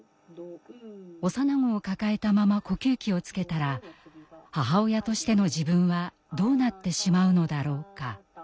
幼子を抱えたまま呼吸器をつけたら母親としての自分はどうなってしまうのだろうか。